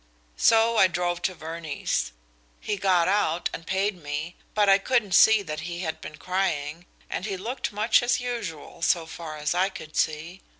So I drove to Verney's. He got out, and paid me, but I couldn't see that he had been crying, and he looked much as usual, so far as I could see.